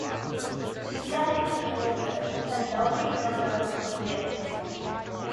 In reality, however, her dowry turned out to be very small.